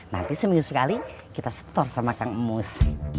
nanti seminggu sekali kita setor sama kang mus